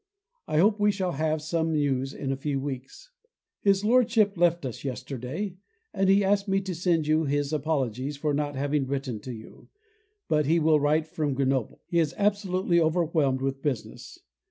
I hope we shall have some news in a few weeks. His Lordship left us yesterday, and he asked me to send you his apologies for not having written to you, but he will write from Grenoble. He is absolutely overwhelmed with business.